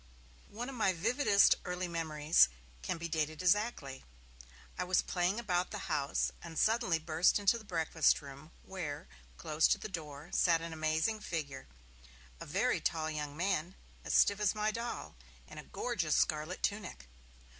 One of my vividest early memories can be dated exactly. I was playing about the house, and suddenly burst into the breakfast room, where, close to the door, sat an amazing figure, a very tall young man, as stiff as my doll, in a gorgeous scarlet tunic.